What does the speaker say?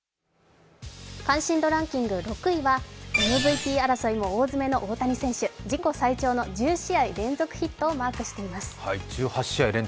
関心度ランキング６位は、ＭＶＰ争いも大詰め、大谷選手、自己最長の１８試合連続ヒットをマークしています。